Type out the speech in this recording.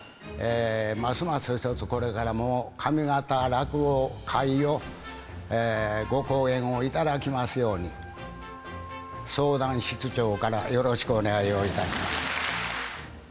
ますますひとつこれからも上方落語界をご後援を頂きますように相談室長からよろしくお願いをいたします。